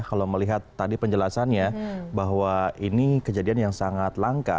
kalau melihat tadi penjelasannya bahwa ini kejadian yang sangat langka